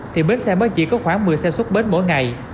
thì bến xe mới chỉ có khoảng một mươi xe xuất bến mỗi ngày